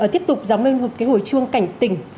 tiếp tục giống như một cái hồi chuông cảnh tỉnh